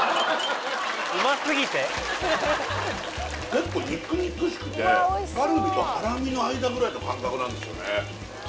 結構肉々しくてカルビとハラミの間ぐらいの感覚なんですよね